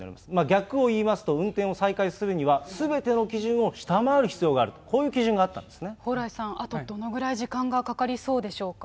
逆を言いますと、運転を再開するには、すべての基準を下回る必要があると、蓬莱さん、あとどのくらい時間がかかりそうでしょうか。